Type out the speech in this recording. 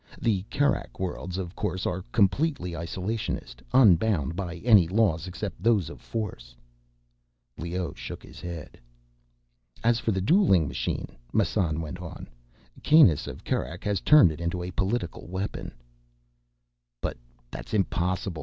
The Kerak Worlds, of course, are completely isolationist—unbound by any laws except those of force." Leoh shook his head. "As for the dueling machine," Massan went on, "Kanus of Kerak has turned it into a political weapon—" "But that's impossible.